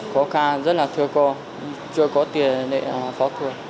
khó khăn rất là thưa cô chưa có tiền để phẫu thuật